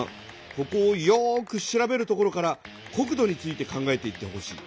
ここをよく調べるところから国土について考えていってほしい。